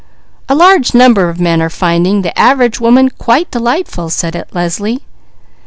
"A large number of men are finding 'the average woman' quite delightful," said Leslie.